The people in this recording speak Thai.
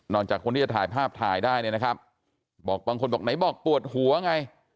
จากคนที่จะถ่ายภาพถ่ายได้เนี่ยนะครับบอกบางคนบอกไหนบอกปวดหัวไง